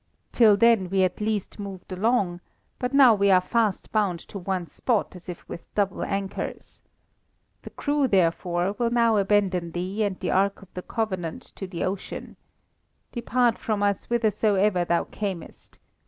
Till then we at least moved along, but now we are fast bound to one spot as if with double anchors. The crew, therefore, will now abandon thee and the Ark of the Covenant to the ocean. Depart from us whithersoever thou camest.